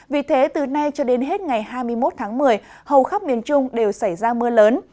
vì thế từ nay cho đến hết ngày hai mươi một tháng một mươi hầu khắp miền trung đều xảy ra mưa lớn